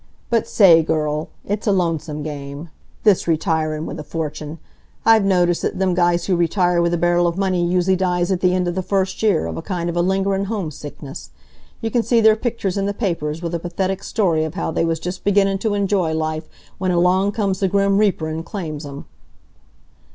But sa a ay, girl, it's a lonesome game, this retirin' with a fortune. I've noticed that them guys who retire with a barrel of money usually dies at the end of the first year, of a kind of a lingerin' homesickness. You c'n see their pictures in th' papers, with a pathetic story of how they was just beginnin' t' enjoy life when along comes the grim reaper an' claims 'em."